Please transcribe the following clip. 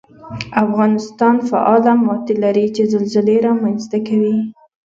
افغانستان فعاله ماتې لري چې زلزلې رامنځته کوي